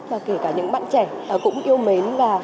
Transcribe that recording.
mà kể cả những bạn trẻ cũng yêu mến